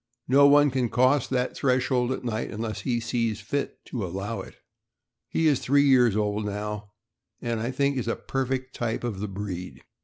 No one can cross that threshold at night unless he sees fit to allow it. He is three years old now, aud I think is a perfect type of the breed.